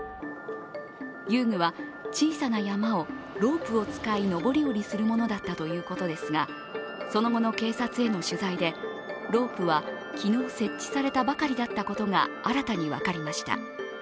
遊具は小さな山をロープを使い上り下りするものだったということですがその後の警察への取材で、ロープは昨日、設置されたばかりだったことが新たに分かりました。